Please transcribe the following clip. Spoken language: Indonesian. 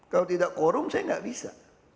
kalau tidak korum saya gak bisa